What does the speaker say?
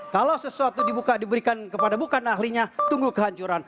kalau sesuatu dibuka diberikan kepada bukan ahlinya tunggu kehancuran